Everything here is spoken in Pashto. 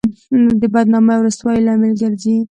د بدنامۍ او رسوایۍ لامل ګرځي.